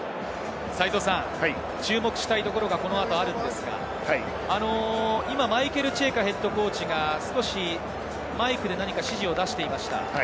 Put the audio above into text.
注目したいところがこの後あるんですが、マイケル・チェイカＨＣが少しマイクで指示を出していました。